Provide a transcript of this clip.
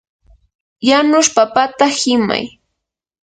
yanush papata qimay.